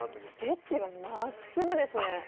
ステッチがまっすぐですね！